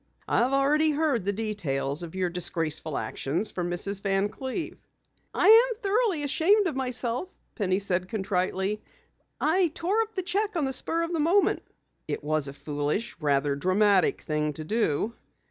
"I've already heard the details of your disgraceful actions from Mrs. Van Cleve." "I'm thoroughly ashamed of myself," Penny said contritely. "I tore up the cheque on the spur of the moment." "It was a foolish, rather dramatic thing to do.